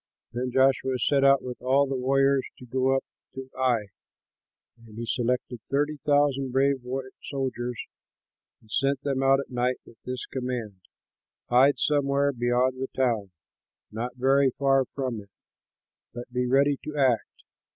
Then Joshua set out with all the warriors to go up to Ai. And he selected thirty thousand brave soldiers and sent them out at night with this command, "Hide somewhere beyond the town, not very far from it, but be ready to act.